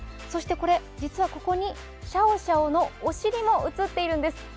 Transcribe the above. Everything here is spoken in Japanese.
そしてこれ、実はここにシャオシャオのお尻も写っているんです。